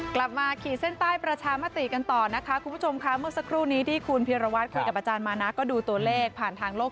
ขีดเส้นใต้ประชามติกันต่อนะคะคุณผู้ชมค่ะเมื่อสักครู่นี้ที่คุณพิรวัตรคุยกับอาจารย์มานะก็ดูตัวเลขผ่านทางโลก